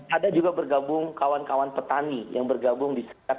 ada juga bergabung kawan kawan petani yang bergabung di sekitar